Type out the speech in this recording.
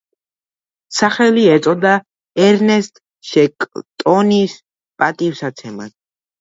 სახელი ეწოდა ერნესტ შეკლტონის პატივსაცემად.